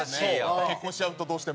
結婚しちゃうとどうしても。